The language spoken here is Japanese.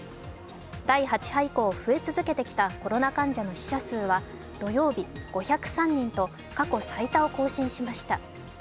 第８波以降、増え続けてきたコロナ患者の死者数は土曜日５０３人と過去最多を更新しました。